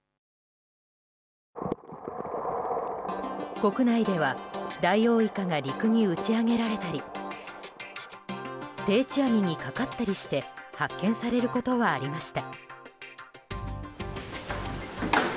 国内ではダイオウイカが陸に打ち上げられたり定置網にかかったりして発見されることはありました。